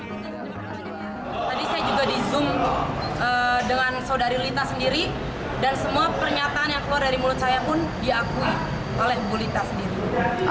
tadi saya juga di zoom dengan saudari lita sendiri dan semua pernyataan yang keluar dari mulut saya pun diakui oleh bu lita sendiri